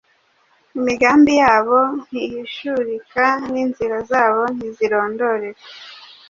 Imigambi yayo ntihishurika, n’inzira zayo ntizirondoreka.